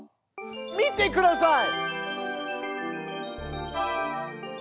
見てください！